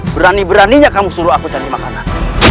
berani beraninya kamu suruh aku cari makanan